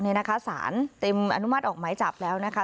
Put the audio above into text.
เนี่ยนะคะสารเตรียมอนุมัติออกหมายจับแล้วนะคะ